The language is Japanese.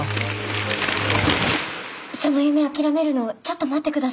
その夢諦めるのちょっと待ってください。